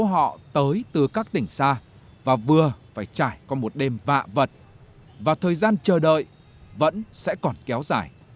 họ tới từ các tỉnh xa và vừa phải trải qua một đêm vạ vật và thời gian chờ đợi vẫn sẽ còn kéo dài